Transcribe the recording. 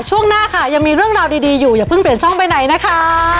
ช่วงหน้าค่ะยังมีเรื่องราวดีอยู่อย่าเพิ่งเปลี่ยนช่องไปไหนนะคะ